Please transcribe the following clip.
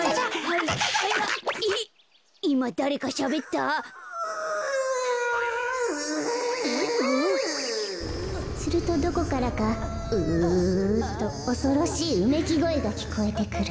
ウウ。かいそうするとどこからか「ウウウ」とおそろしいうめきごえがきこえてくる。